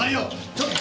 ちょっと！